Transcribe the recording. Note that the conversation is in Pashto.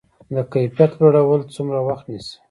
د کیفیت لوړول څومره وخت نیسي؟